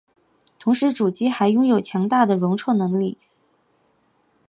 同时主机还拥有强大的容错能力。